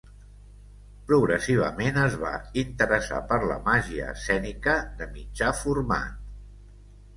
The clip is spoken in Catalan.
Progressivament es va interessar per la màgia escènica de mitjà format.